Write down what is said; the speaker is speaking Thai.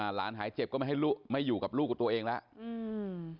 หลานหายเจ็บก็ไม่อยู่กับลูกตัวเองแล้ว